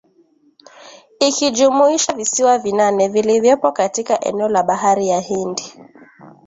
ikijumuisha visiwa vinane vilivyopo katika eneo la bahari ya Hindi